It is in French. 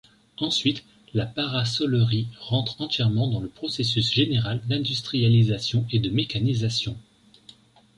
Ensuite la parasolerie rentre entièrement dans le processus général d'industrialisation et de mécanisation.